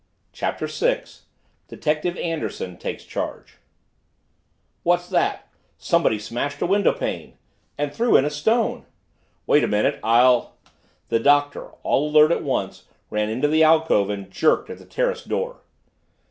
CHAPTER SIX DETECTIVE ANDERSON TAKES CHARGE "What's that?" "Somebody smashed a windowpane!" "And threw in a stone!" "Wait a minute, I'll " The Doctor, all alert at once, ran into the alcove and jerked at the terrace door.